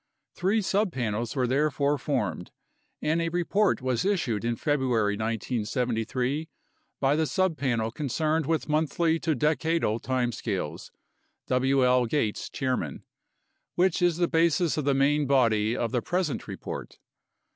Three subpanels were therefore formed, and a report was issued in February 1973 by the subpanel concerned with monthly to decadal time scales (W. L. Gates, Chairman), which is the basis of the main body of the present report.